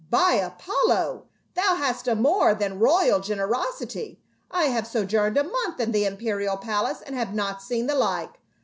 " By Apollo ! Thou hast a more than royal gen erosity ; I have sojourned a month in the imperial palace and have not seen the like.